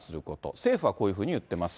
政府はこういうふうに言ってます。